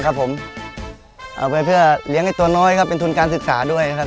ครับผมเอาไปเพื่อเลี้ยงไอ้ตัวน้อยครับเป็นทุนการศึกษาด้วยครับ